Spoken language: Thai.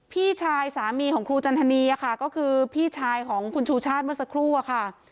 พี่ชายสามีของครูจันทนีค่ะก็คือพี่ชายของคุณชูชาติเมื่อสักครู่อะค่ะ